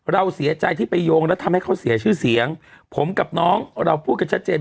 เราเสียใจที่ไปโยงแล้วทำให้เขาเสียชื่อเสียงผมกับน้องเราพูดกันชัดเจน